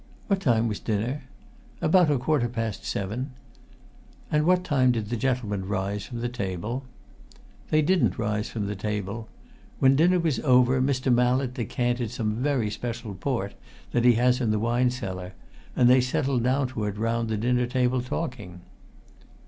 "What time was dinner?" "About a quarter past seven." "And what time did the gentlemen rise from table?" "They didn't rise from table. When dinner was over, Mr. Mallett decanted some very special port that he has in the wine cellar, and they settled down to it round the dinner table, talking."